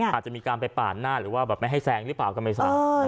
อาจจะมีการไปป่านหน้าหรือว่าแบบไม่ให้แซงรึเปล่ากับเมษัล